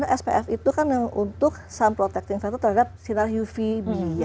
nah spf itu kan untuk sun protecting factor terhadap sinar uvb